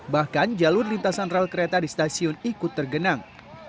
bahkan jalur lintasan rel kereta di stasiun ikut tergenang